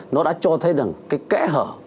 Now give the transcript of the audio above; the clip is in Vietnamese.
nó đã cho thấy rằng cái kẽ hở